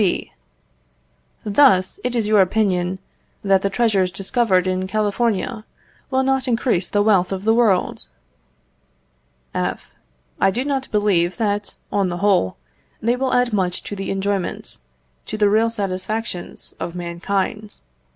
B. Thus, it is your opinion that the treasures discovered in California will not increase the wealth of the world? F. I do not believe that, on the whole, they will add much to the enjoyments, to the real satisfactions of mankind.